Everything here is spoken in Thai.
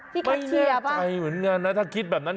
ที่เคาน์เตอร์ป่ะไม่แน่ใจเหมือนกันนะถ้าคิดแบบนั้น